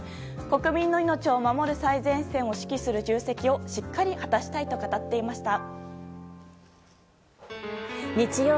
国民の命を守る最前線を指揮する重責をしっかり果たしたいと語っていました。